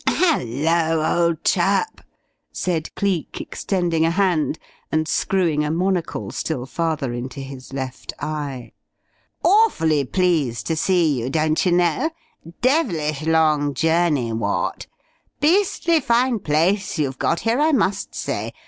"Hello, old chap," said Cleek, extending a hand, and screwing a monocle still farther into his left eye. "Awfully pleased to see you, doncherknow. Devilish long journey, what? Beastly fine place you've got here, I must say.